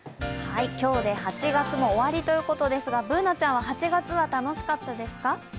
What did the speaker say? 今日で８月も終わりということですが、Ｂｏｏｎａちゃんは８月は楽しかったですか？